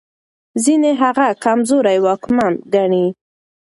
ځينې هغه کمزوری واکمن ګڼي.